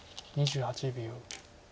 ２８秒。